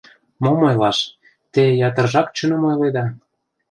Мом ойлаш, те ятыржак чыным ойледа.